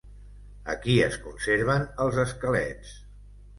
Aquí es conserven els esquelets.